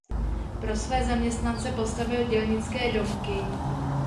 Pro své zaměstnance postavil dělnické domky.